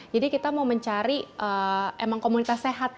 jadi kita mau mencari komunitas sehat